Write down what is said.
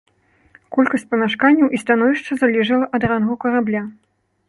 Колькасць памяшканняў і становішча залежалі ад рангу карабля.